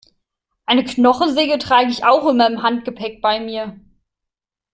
Eine Knochensäge trage ich auch immer im Handgepäck bei mir.